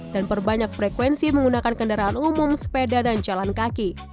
dan berbanyak frekuensi menggunakan kendaraan umum sepeda dan jalan kaki